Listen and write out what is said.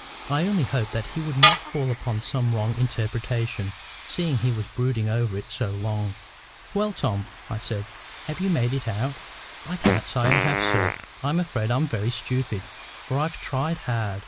I only hoped that he would not fall upon some wrong interpretation, seeing he was brooding over it so long. "Well, Tom," I said, "have you made it out?" "I can't say I have, sir. I'm afraid I'm very stupid, for I've tried hard.